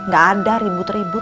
gak ada ribut ribut